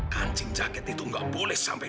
kancing jaket itu nggak boleh sampai